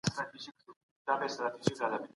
د علم په ساحه کي نوښت له څېړنې څخه منځ ته راځي.